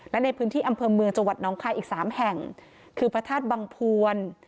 และในพื้นที่อำเภอเมืองจังหวัดน้องคายอีกสามแห่งคือพระธาตุบังพวน